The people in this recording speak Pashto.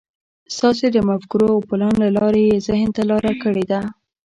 ستاسې د مفکورو او پلان له لارې يې ذهن ته لاره کړې ده.